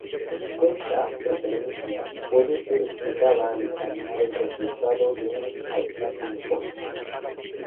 Esta preferencia puede ser explicada al examinar el resultado de un paisaje uniforme.